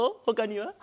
ほかには？